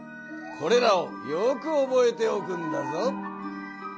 これらをよくおぼえておくんだぞ。